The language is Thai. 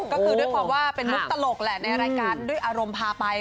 ก็คือด้วยความว่าเป็นมุกตลกแหละในรายการด้วยอารมณ์พาไป